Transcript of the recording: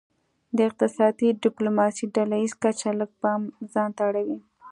د اقتصادي ډیپلوماسي ډله ایزه کچه لږ پام ځانته اړوي